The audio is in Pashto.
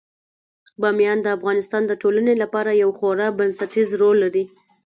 بامیان د افغانستان د ټولنې لپاره یو خورا بنسټيز رول لري.